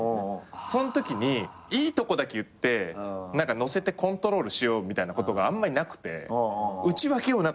そんときにいいとこだけ言って乗せてコントロールしようみたいなことがあんまりなくて内訳を全部言うんすよね。